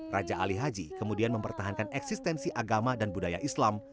raja ali haji kemudian mempertahankan eksistensi agama dan budaya islam